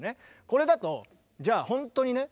これだとじゃあ本当にね